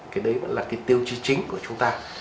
cái đấy vẫn là cái tiêu chí chính của chúng ta